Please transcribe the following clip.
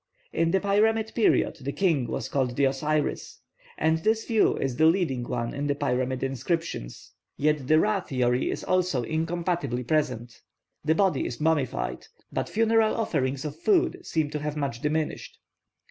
In the pyramid period the king was called the Osiris, and this view is the leading one in the Pyramid inscriptions, yet the Ra theory is also incompatibly present; the body is mummified; but funeral offerings of food seem to have much diminished.